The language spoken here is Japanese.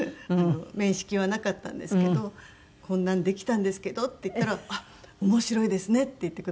面識はなかったんですけど「こんなのできたんですけど」って言ったら「あっ面白いですね」って言ってくださって。